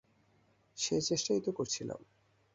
সেই চেষ্টাই তো করছিলাম।